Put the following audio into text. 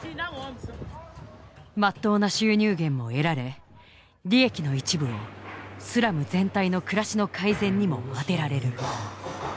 まっとうな収入源も得られ利益の一部をスラム全体の暮らしの改善にも充てられる。